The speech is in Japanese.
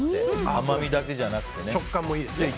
甘みだけじゃなくてね。